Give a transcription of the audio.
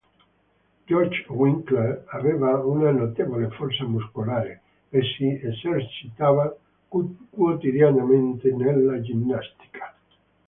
Georg Winkler aveva una notevole forza muscolare, e si esercitava quotidianamente nella ginnastica.